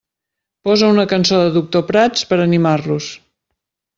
Posa una cançó de Doctor Prats per animar-los.